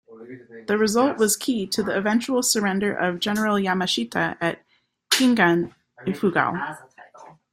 The result was key to the eventual surrender of General Yamashita at Kiangan, Ifugao.